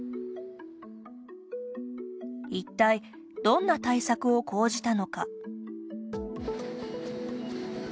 一体、どんな対策を講じたのか。